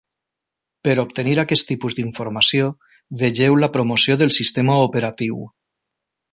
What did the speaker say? Per obtenir aquest tipus d'informació, vegeu la promoció del sistema operatiu.